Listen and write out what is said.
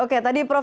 oke tadi prof